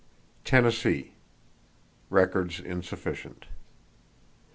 Tennessee: Records insufficient.